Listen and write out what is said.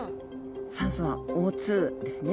酸素はＯですね。